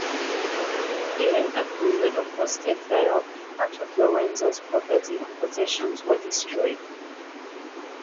During a period of forced exile, much of Lorenzo's property and possessions were destroyed.